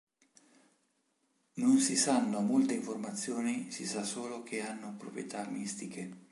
Non si sanno molte informazioni si sa solo che hanno proprietà mistiche.